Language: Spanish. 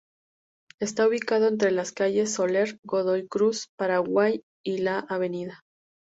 Está ubicado entre las calles Soler, Godoy Cruz, Paraguay y la Av.